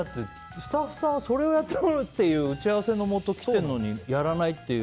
スタッフさんはそれをやってくれっていう打ち合わせのもと来てるのにやらないっていう。